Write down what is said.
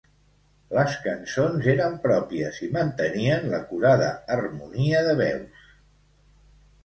Les cançons eren pròpies i mantenien l'acurada harmonia de veus.